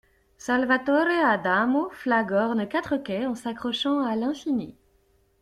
Salvatore Adamo flagorne quatre quais en s'accrochant à l'infini.